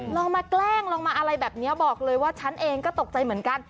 ลองมาแกล้งลองมาอะไรแบบนี้บอกเลยว่าฉันเองก็ตกใจเหมือนกัน